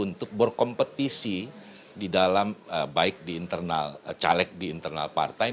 untuk berkompetisi di dalam baik di internal caleg di internal partai